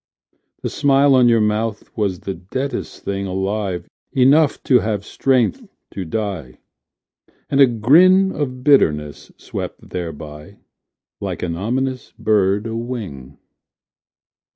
The smile on your mouth was the deadest thing Alive enough to have strength to die; And a grin of bitterness swept thereby Like an ominous bird a wing.